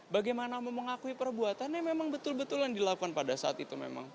bagaimana mau mengakui perbuatannya memang betul betul yang dilakukan pada saat itu memang